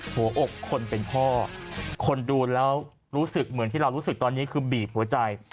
หัวอกคนเป็นพ่อคนดูแล้วรู้สึกเหมือนที่เรารู้สึกตอนนี้คือบีบหัวใจ